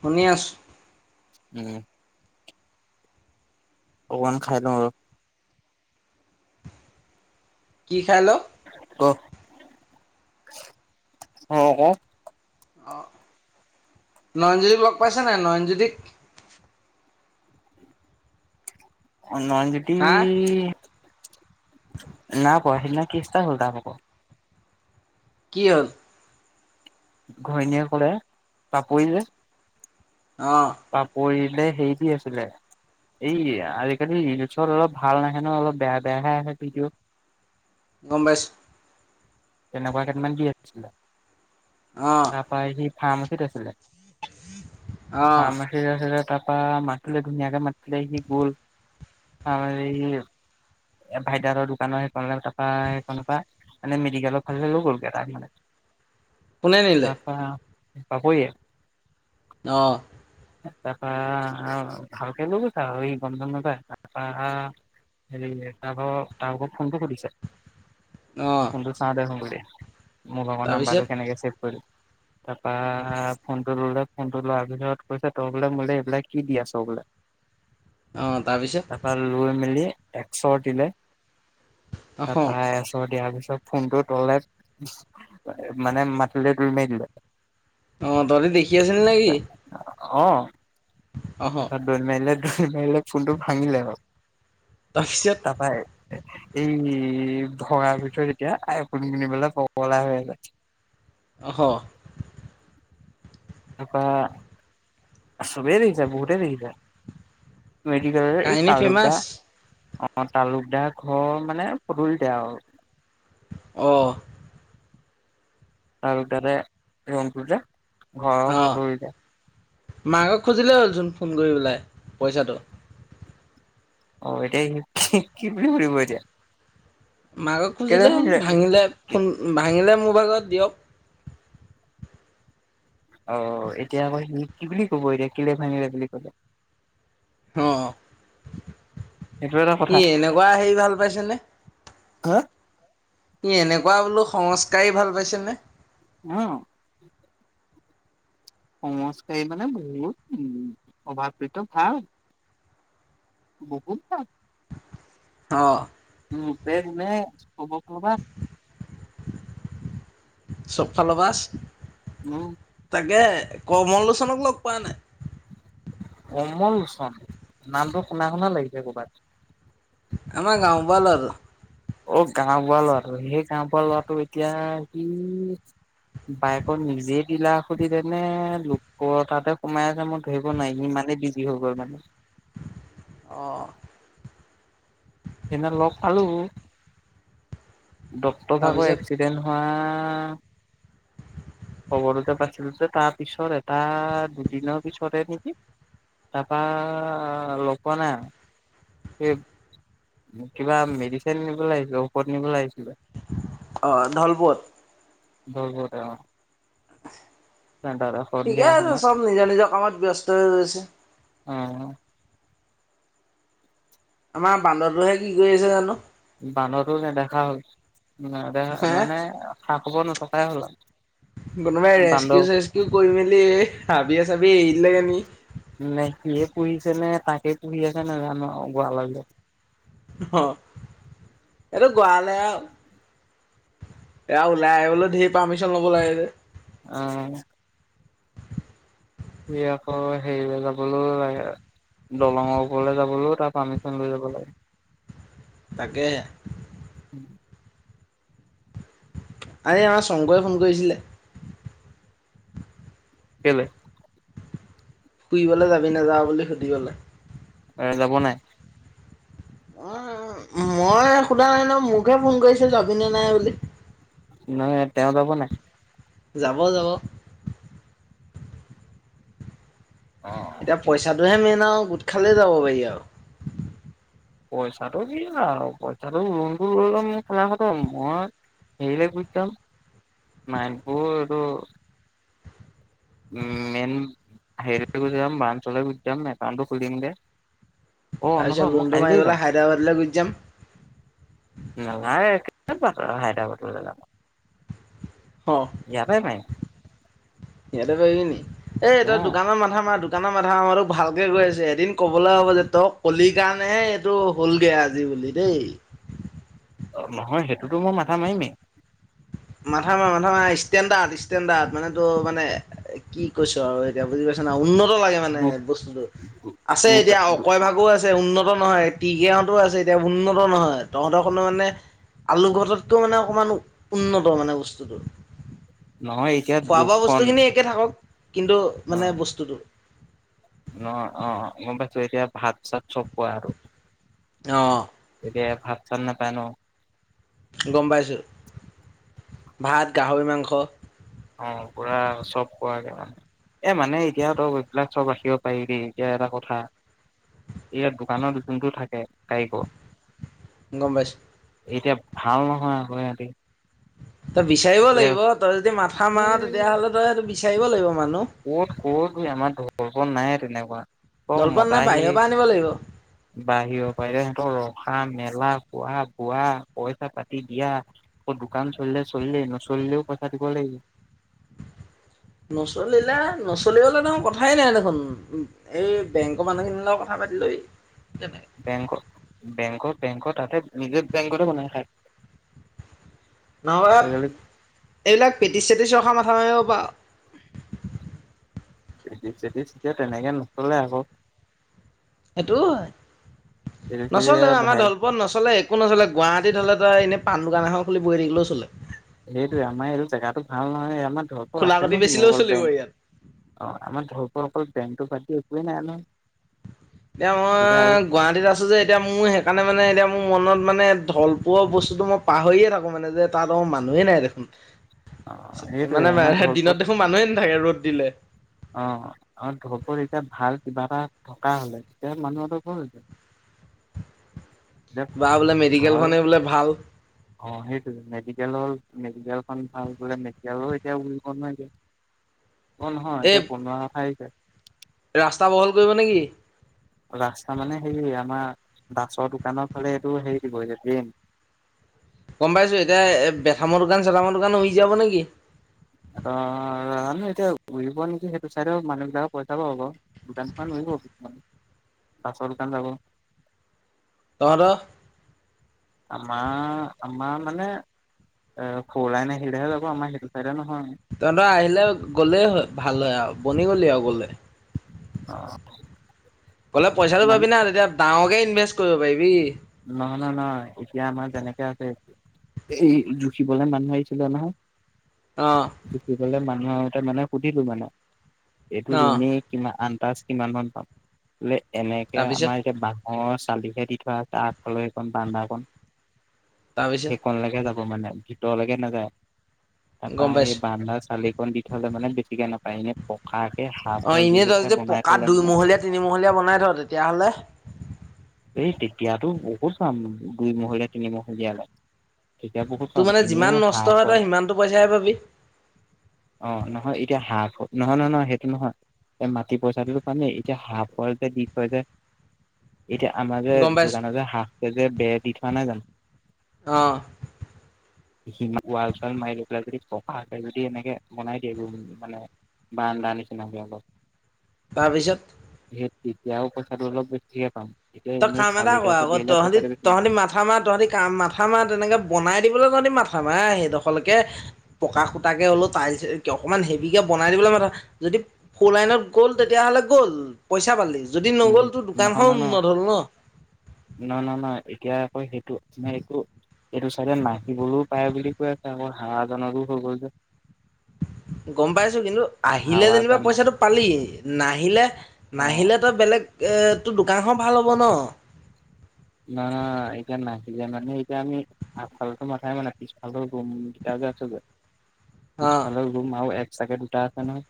শুনি আছোঁ। উম! অকনমান খাই লওঁ ৰ। কি খাই‌ ল? ক [inaudible] আহ ক? আহ নয়নজ্যোতিক লগ পাইছা নাই, নয়নজ্যোতিক? অঁ নয়নজ্যোতি হা নাই পোৱা, সিদিনা কেষ্ট এটা হ'ল তাৰ ভাগৰ। কি হ'ল? ঘৈণীয়ে ক'লে পাপৰি যে অ পাপৰি দে হেৰিটি আছিলে, এই আজিকালি ৰিলছত অলপ ভাল নাহে ন অলপ বেয়া-বেয়াহে আহে ভিডিঅ'। গম পাইছোঁ। তেনেকুৱা কেইটামান কি আহিছিলে? অ তাৰপৰা [unintelligible] ফাৰ্মাছিত আছিলে। অ অ ফাৰ্মাছিত আছিলে তাৰপা মাতিলে ধুনীয়াকে, মাতিলে সি গল [unintelligible] আৰু এই ভাইদাহঁতৰ দোকানৰ সেইখনলে তাৰপা সেইখনৰ পৰা মানে মেডিকেলৰ ফালে লৈ গ'লগৈ তাৰপাছত কোনে নিলে? পাপৰিয়ে? অঁ! তাৰপা অঁ ভালকে লৈ গৈছে আও এই গম-চম নাপায়, তাৰপা হেৰি তাৰপা তাৰ ভাগৰ ফোনটো সুধিছে অ ফোনটো চাওঁ দে ক বুলি মোৰ ভাগৰ নাম্বাৰটো তাৰপিছত কেনেকে ছেভ কৰিলি? তাৰপা ফোনটো ললে, ফোনটো লোৱাৰ পিছত কৈছে ত‌ই বোলে মোলে এইবিলাক কি দি আছ বোলে? অ তাৰপিছত তাৰপৰা লৈ মেলি একচৰ দিলে অহ তাৰপা এচৰ দিয়া পিছত তাৰপৰা ফোনটো ললে মানে মাটিলে দলি মাৰি দিলে। অঁ তহঁতি দেখি আছিলি নে কি? অঁ! তাৰপৰা দলি মাৰি । [unintelligible] মাৰিলে ফোনটো ভাঙিলে ব। তাৰপিছত তাৰপা- এই ভগাৰ ভিতৰত এতিয়া আইফোন কিনিবলে পগলা হৈ আছে। অঁহ তাৰপা চবেই দেখিছে বহুতে দেখিছে। মেডিকেল এই কাহিনী তালুক দা ফেমাচ অঁ তালুকদাৰ ঘৰৰ মানে পদূলিতে আৰু। অহ। আৰু তা'তে ৰংপুৰ যে- ঘৰৰ অ পদূলিতে। মাক'ক খুজিলেই হ'ল চোন ফোন কৰি পেলাই পইচাটো। অঁ এতিয়া কি, কি বুলি সুধিব এতিয়া। মাকক খুজিলে হ'ল। ভাঙিলে ফোন, ভাঙিলে মোৰ ভাগত দিয়ক। অঁ এতিয়া আকৌ সি কি বুলি ক'ব এতিয়া কেলে ভাঙিলি বুলি কলে? অঁ সেইটো এটা কথা ই' এনেকুৱা হেৰি ভাল পাইছেনে? হাঁ ই' এনেকুৱা বোলো সংস্কাৰী ভাল পাইছেনে। অঁ সংস্কাৰী মানে বহুত চভাব-চৰিক্ৰ ভাল। বহুত ভাল। অঁ উম। ৰূপে-গুণে চবৰ ফালৰ পৰাই। চব ফাৰল- উম। তাকে কমল লোচনক লগ পোৱা নাই। কমল লোচন নামটো শুনা, শুনা লাগিছে কৰ'বাত। আমাৰ গাওঁৰ বুঢ়া লৰাটো। অ গাওঁ বুঢ়া ল'ৰাটো। সেই গাওঁ বুঢ়া লৰাটো এতিয়া সি বাইকৰত নিজে দিলে নে লোকৰ তা'তে সোমাই আছে মই ধৰিব নোৱাৰি। ইমানেই বিজি হৈ গ'ল মানে। অঁ সেইদিনা লগ পলো। ডক্তৰ ভাগৰ তাৰপিছত এক্সিডেন্ট হোৱা- অঁ খবৰতে পাইছিলো যে। তাৰপিছত এটা দুদিনৰ পিছতে নেকি তাপা লগ পোৱা নাই আৰু। সি কিবা মেডিচিন নিবলৈ আহিছিল। ঔষধ নিবলৈ আহিছিলে। অঁহ [unintelligible] [unintelligible] ঠিকে সন্ধিয়া আছে। সময়ত চব নিজৰ, নিজৰ কামত ব্যস্ত হৈ গৈছে। অঁ আমাৰ বান্দৰ টোহে কি কৰি আছে জানো? বান্দৰটো নেদেখা হ'ল। হে মানে- খা- খবৰ নথকাই হ'ল আৰু। কোনোবাই ৰেষ্টকিউ-চেষ্টকিউ কৰি মেলি এই হাবিয়ে-চাবিয়ে মেলি দিলে গৈ নেকি। [inaudible] নে সিয়ে পুহিছে নে তাকেই পুহি আছে নেজানো আৰু গোৱালা ঘৰ । অ এইটো গোৱালাই এয়া ওলাই আহিবলৈ ঢেৰ পাৰ্মিশন ল'ব লাগিল যে। অ আকৌ হেৰিলৈ যাবলৈ লাগে দলঙৰ ওপৰলৈ যাবলৈও তাৰ পাৰ্মিচন লৈ যাব লাগে। তাকে আৰে আমাৰ শংকৰে ফোন কৰিছিলে। কেলে? ফুৰিবলে যাবি নাযাওঁ বুলি সুধিবলে । এ যাব নাই । অ মই সোধা নাই ন মোকহে ফোন কৰিছিল যাবিনে নাই বুলি । নহয় তেওঁ যাব নাই? যাব যাব। অ এতিয়া পইচাটোহে মেইন। আৰু গোট খালে যাব পাৰি আৰু । পইচাটো কি ন আৰু পইচাটো লোণটো লৈ লম খেলা খটম মই হেৰিলৈ গুজি যাম নাইবোৰ এইটো মেইন হেৰিলৈ গুচি যাম বাঞ্চলৈ গুচি যাম একাউটটো খুলিম গে। তাৰপিছত লোণটো মাৰিবলে হাইড্ৰবাদলৈ গুচি যাম। পোৱা হাইড্ৰাবাদলে যাব ইয়াৰ পৰায়ে পাৰিম । য়াতে পাৰিবি নি এই তই অ দোকানৰ মাথা মাৰ দোকানৰ মাথা মাৰাটো ভালকে গৈ আছে এদিন কবলৈ হ'ব যে তই কলিৰ কাৰণেহে এইটো হলগে আজি বুলি দেই। অ নহয় সেইটোতো মই মাথা মাৰিমেই । মাথা মাৰ মাথা মাৰ ষ্টেণ্ডাৰ্ড ষ্টেডাৰ্ড মানে তোৰ মানে কি কৈছো আৰু এতিয়া বুজি পাইছ ন উন্নত লাগে মানে দু বস্তুতটো আছে দুটা এতিয়া অকৈ ভাগো আছে উন্নত নহয় তিগ আছে এতিয়া উন্নত নহয়। তহঁতৰ খনৰ মানে আলুগঘটতকৈও মানে অকণমান ও উন্নত মানে বস্তুটো । নহয় এতিয়া খোৱা বোৱা দুখন বস্তুখিনি একে থাকক । কিন্তু মানে বস্তুটো অ অ গম পাইছো এতিয়া ভাত চাত চব পোৱা আৰু । অ এতিয়া ভাত চাত নাপাই ন। গম পাইছোঁ ভাত গাহৰি মাংস । অ পুৰা চব পোৱাকে মানে এ মানে এতিয়া ত এইবিলাক চব ৰাখিব পাৰিবি এতিয়া এটা কথা ইয়াত দোকানত যোনটো থাকে কাৰিকৰ গম পাইছো । এতিয়া ভাল নহয় আকৌ সিহতি। তই বিচাৰিব লাগিব তই যদি মাথা মাৰ তেতিয়য়াাহ'লে তই এইটো বিচাইব লাগিব । ক'ত ক'ত ত আমাৰ ঢল অ নাই তেনেকুৱা । অ জলপান নাই মদাহি বাহিৰৰ পৰা আনিব লাগিব বাহিঅ পাৰিলে সিহঁতৰ ৰ থকা মেলা খোৱা বোৱা পইচা পাতি দিয়া, আকৌ দোকান চলিলে চলিলেই নচলিলেও পইচা দিব লাগিব । নচলিলে নচলিবলে ত কথাই নাই দেখোন, এই বেংকৰ মানুহখিনিৰ লগত কথা পাতি লবি । বেং বেংকৰ বেংকৰ তাতে নিজে বেংকতে বনাই খায়। [unintelligible] আজিকালি এইবিলাক পেতিছ চেটিছ ৰখা মাথা মাৰিব পাৱ। পেটিচ চেটিছ তেনেকে নচলে আকৌ । সেইটো হয়, যেতি তেতিয়া নচলে আমাৰ ভাই দলপত নচলে একো নচলে গুৱাহাটীত হলে এ এনে পাণ দোকান এখন খুলি বহি থাকিলেও চলে । সেইটোৱে আমাৰ এইটো জেগাতটো ভাল নহয় আমাৰ ধৰ খোলা আছে কাটি নেকি বেচিলেও অকল চলিব ইয়াত বেংক অ আমাৰ ধৰ অকল পেনটো পাটি একোৱেই নাই নহয়। এতিয়া বোলে আৰু মই গুৱাহাটীত আছো যে এতিয়া মোৰ সেইকাৰণে মানে এতিয়া মোৰ মনত মানে ঢল পোৱ বস্তুতটো মই পাহৰিয়ে থাকো মানে, যে তাত অ মানুহে নাই দেখোন অ । সেইটোৱে আমাৰ মানে দিনত ধৰপত দেখোন মানুহে নাথাকে ৰ'দ দিলে। অ আৰু ধবত এতিয়া ভাল কিবা এটা থকা হলে, তেতিয়া মানুহটো ভৰ হৈ যায় । বা বোলে মেডিকেলখনেই বোলে ভাল । অঁ সেইটোৱে [unintelligible] [unintelligible] মেডিকেলৰ মেডিকেলখন ভাল বোলে মেডিকেলো এতিয়া বুলিব নোৱাৰ অ নহয়। এই বনোৱা ঠাই [inaudible] ৰাস্তা বহল কৰিব নেকি? ৰাস্তা মানে হেৰি আমাৰ দাচৰ দোকানৰ ফালে এইটো হেৰি হৈ য দেইম । গম পাইছো এতিয়া এ বেথামৰ দোকান চেথামৰ দোকান হৈ যাব নেকি? অ। নাজানো এতিয়া উৰিব নেকি? সেইটো চাইডেও মানুহ বিলাকৰ পইচা পাব বাও। দোকান খন উৰিব, মাছৰ দোকান যাব তহত আমাৰ আমাৰ মানে অ খৌলাই ন সিলহে যাব আমাৰ সেইটো চাইডে নহয় । তহঁতৰ আহিলে গ'লেই হয় ভাল হয় আও, বনি গলি আও গলে । অ। কলে পইচাটো মানে পাবি না তেতিয়া ডাঙকে ইনভেষ্ট কৰিব পাৰিবি। নহ নহ নহয় এতিয়া আমাৰ যেনেকে আছে এই জুখিবলে মানুহ আহিছিলে নহয় । অ', জুখিবলে মানুহ অ ত মানে সুধিলো মানে এইটো অ'। এনে কিমান- তাচ কিমান মান পাম, মানে এনেকে তাৰপিছত আমাৰ এতিয়া অ চালিহে দি থোৱা তাৰ আগফালে এইখন বাৰান্দাখন। তাৰপিছত সেইকন লাগে যাব মানে ভিতৰলৈকে নাযায়। তাৰপৰা গম সেই পাইছো বাৰান্দা চালি খন দি থলে মানে বেছিকে নাপ পায়নে প অ এনেই ত যদি পকাত মানে দুইমহলীয়া তিনিমহলীয়া বনাই থ তেতিয়াহলে তো বহুত চাম দুই মহলীয়া তিনি মহলীয়ালে। তেতিয়া বহুত তোৰ কম মানে এনেও যিমান নষ্ট হাঁহ তই হয়, সিমানটো পইচাহে পাবি আহ নহয় এতিয়া সাঁ নহয় নহয় নহয় সেইটো নহয়, এই মাটি পইচাটোতো পামেই এতিয়া হাঁহ পোৱালিতে যে দি থয় যে। এতিয়া আমাৰ গম পাইছো দোকানত যে হাফ কে যে বেৰ দি থোৱা নাই জানো। অহ। সেইখিনি‌ ৱাল চাল মাৰি লৈ পেলাই যদি পকাকে যদি এনেকে বনাই দিয়ে মানে বাৰান্দা নিচিনাকৈ অলপ। তাৰপিছত। তেতিয়াও পইচাটো অলপ বেছিকে পাম। এতিয়া এনেই চালি বনাবই টাইপত আকৌ দিলে তহঁতি পইচাটো বেছি নাপাম তহঁতি মাথা মাৰ তহঁতি কা মাথা মাৰ তেনেকে বনাই দিবলৈ যদি মাথা মাৰ সেইদখৰলেকে, পকা খুটাকে লো তাইল অকনমান হেভি কে বনাই দিবলৈ মাথা যদি ফুৰ লাইনত গ'ল তেতিয়া হলে গ'ল পইচা পালি যদি উম নগ'ল তো নহয় দোকানখন ন উন্নত ন নাই? এতিয়া আকৌ সেইটো মানে এইটো এইটো চাইডে নাহিবলৈও পায় বুলি কৈ আছে আকৌ হাহজনৰো হৈ গল যে। গম পাইছো কিন্তু আহিলে যেনিবা হাৱাজান পইচাটো পালি নাহিলে অ নাহিলে তই বেলেগ এ তোৰ দোকানখন ভাল হ'ব ন। না এতিয়া নাহিলে মানে এতিয়া আমি আগফালতো মাথাই মানে পিছফালৰ গ ৰুমকেইটা যে আছ যে অ পিছফালে ৰুম আৰু এক চাগে দুটা আছে নহয়।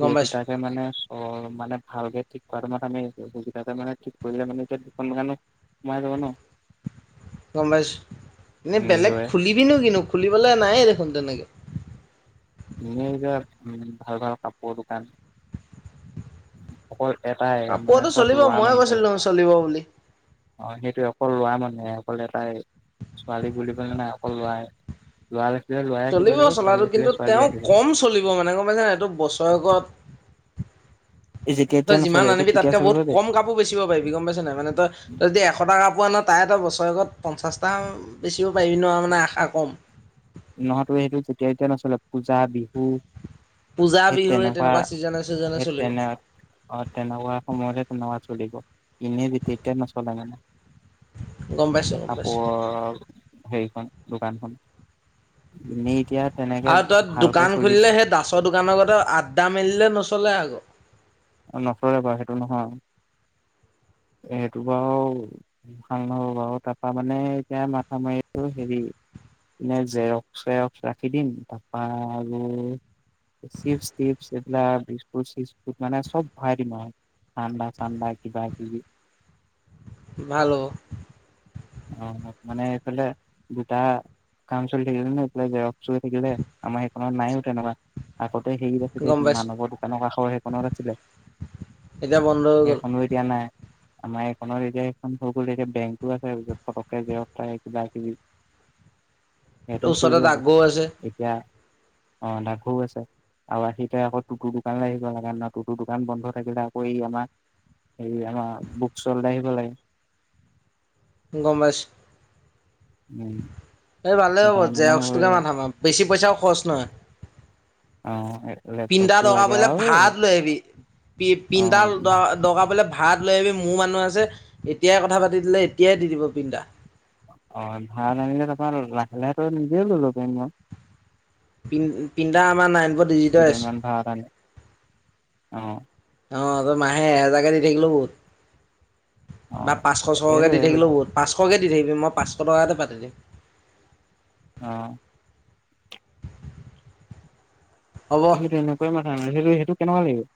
গম পাইছোঁ দুটাকে মানে অ, মানে ভালকে ঠিক কৰা মাথা মাৰি আছোঁ আমি বুজি পাইছা মানে ঠিক কৰিলে মানে এতিয়া দুখন দোকানো [unintelligible] গম পাইছো এনেই বেলেগ নিজৰে খুলিবিনো কিনু খুলিবলৈ নায়ে দেখোন তেনেকে এ যে উম ভাল ভাল কাপোৰ দোকান অকল এটাই মানে কাপোৰতো চব চলিব ল'ৰা ময়ে মানুহে কৈছিলোঁ চলিব বুলি অ সেইটো অকল ল'ৰা মানুহে অকল এটাই ছোৱালীক বুলি কলে নাই অকল ল'ৰা এ যে ল'ৰা য়ে ৰাখিব চলিব লাগিব ছোৱালী চলাটো কিন্তু ৰাখিলে ছোৱালীয়ে তেওঁ ৰাখিব কম চলিব মানে গম পাইছে নাই এইটো বছৰেকত এই যেতিয়া তেতিয়া তই যিমান নচলে এইটো আনিবি কেতিয়া তাতকে চলিব বহুত যে কম কাপোৰ বেচিব পাৰিবি গম পাইছ নাই মানে তই যদি এশটা কাপোৰ আন তাই এটা বস্তু বয়গত পঞ্চাছটা বেচিব পাৰিবি নোৱাৰ মানে আশা কম নহয়তো সেইটো যেতিয়া এতিয়া নচলে পূজা বিহু পূজা সেই বিহুৱে তেনেকুৱা ছিজনে স ছিজনে চলিব তেনে অ তেনেকুৱা সময়তে তেনেকুৱা চলিব এনে যেতিয়া তেতিয়া নচলে মানে গম পাইছো গম তাপ পাইছো সেইখন দোকানখন এনেই এতিয়াত আৰু তাত দোকান খুলিলে সেই দাচৰ দোকানৰ গতে আড্ডা মেলিলে নচলে আকৌ নথৰে বাৰু সেইটো নহয় সেইটো বাৰু ভাল নহব বাৰু তাৰপা মানে এতিয়া মাথা মাৰিছো হেৰি এ জেৰক্স চেৰক্স ৰাখি দিম তাৰপা আৰু চিপছ তিপছ এইবিলাক বিস্কুট চিস্কুত মানে চব ভাৰাই দিম আৰু ঠাণ্ডা চাণ্ডা কিবা কিবি ভাল হ'ব অ মানে এইফালে দুটা কাম চলি থাকিলে ন এইফালে জেৰক্স চলি থাকিলে আমাৰ সেইখনত নাইও তেনেকুৱা আগত হেৰি আছে দেই গম পাইছো মানবৰ দোকানৰ কাষ সেইখনৰে এতিয়া বন্ধ হৈ গ'ল এতিয়া আমাৰ এইখনৰ এতিয়া সেইখন হৈ গ'ল এতিয়া বেংকো আছে ওচত পটককে জেৰক্স কৰাই কিবা কিবি সেইটোও চলি ওচৰতে যাব ডাকঘৰো আছে এতিয়া অ তাকো আছে আৰু আহিতে আকৌ টুতুৰ দোকানলে আহিব লাগে ন টুটু দোকান বন্ধ থাকিলে আকৌ এই আমাৰ হেৰি আমাৰ বুক চল আহিব লাগে গম পাইছো উম এই ভালে হ'ব সেইকাৰণে মানে জেৰক্স টোকে মাথা মাৰ বেছি পইচাও খৰচ নহয় অ পিন্দা লেপটপটো লাগে দগাবলে আৰু এই ভাড়াত লৈ আহবি পি অ পিন্দা দগাবলে ভাত লৈ আহিবি মোৰ মানুহ আছে এতিয়াই কথা পাতি দিলে এতিয়াই দি দিব প্ৰিন্টা অ ভাৰাত আনিলে তাৰপৰা লাহে লাহে ত নিজেও লৈ লব পাৰিম ম প্ৰিন্টাৰ আমাৰ নাইন ফ' ডিজিট এছ কেইদিনমান ভাড়াত আনি অ অ তই মাহে এহেজাৰকে দি থাকিলো অ বহুত বা পাঁচশ এইটো ছশকে দি থাকিলেও বহুত পাঁচশকে দি থাকিবি মই পাঁচশ টকাতে পাতি দিম। অহ হ'ব। ইহঁতি এনেকুৱাই মান সেইটো সেইটো কেনেকুৱা লাগিব।